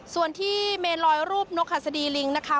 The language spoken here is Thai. ส่วนที่เมลอยรูปนกหัสดีลิงนะคะ